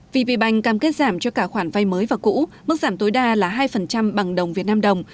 vì tpbank cam kết giảm cho cả khoản vai mới và cũ mức giảm tối đa là hai bằng đồng việt nam đồng